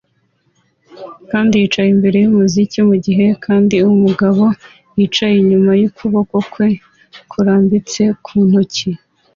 kandi yicaye imbere yumuziki mugihe undi mugabo yicaye inyuma ukuboko kwe kurambitse ku ntoki.